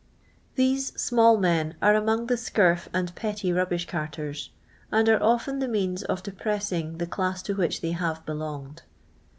{ These small men are among the scurf and petty rubbish carters, and are often the means of de pressing the class to which they have belonged.